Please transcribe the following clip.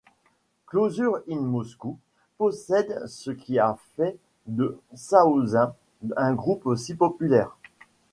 Closure in Moscow possède ce qui a fait de Saosin un groupe si populaire.